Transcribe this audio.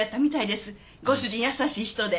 ご主人優しい人で。